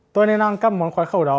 tôi nên ăn các món khoái khẩu đó